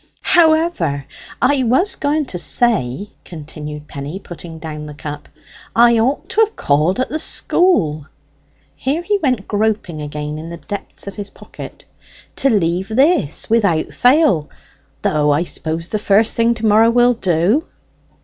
"However, I was going to say," continued Penny, putting down the cup, "I ought to have called at the school" here he went groping again in the depths of his pocket "to leave this without fail, though I suppose the first thing to morrow will do."